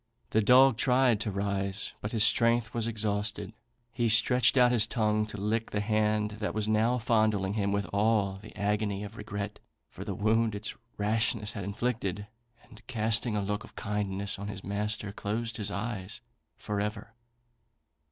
The dog tried to rise, but his strength was exhausted. He stretched out his tongue to lick the hand that was now fondling him with all the agony of regret for the wound its rashness had inflicted, and casting a look of kindness on his master, closed his eyes for ever.